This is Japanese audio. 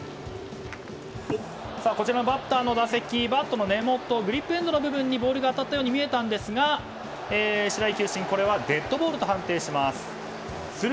こちらバッターの打席、バットのグリップエンドの部分にボールが当たったように見えたんですが白井球審、これはデッドボールと判定します。